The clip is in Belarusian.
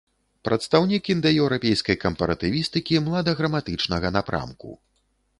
Прадстаўнік індаеўрапейскай кампаратывістыкі младаграматычнага напрамку.